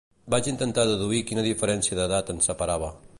Vaig intentar deduir quina diferència d'edat ens separava.